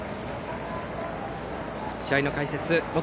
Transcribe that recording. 試合の解説元